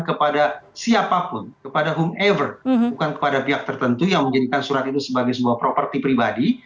kepada siapapun kepada home ever bukan kepada pihak tertentu yang menjadikan surat itu sebagai sebuah properti pribadi